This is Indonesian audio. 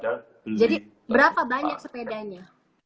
jadi berapa banyak sepedanya